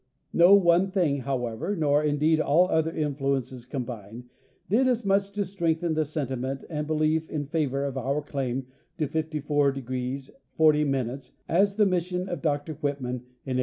No one thing, however, nor indeed all other influences combined, did as . much to strengthen the sentiment and belief in favor of our claim to 54° 40' as the mission of Dr Whitman in 1842.